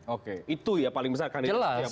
oke itu ya paling besar kandidat yang bertarung